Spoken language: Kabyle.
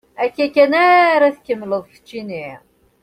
Akka kan ara tt-tkemmleḍ keččini?